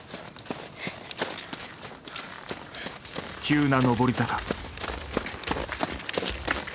急な上り坂。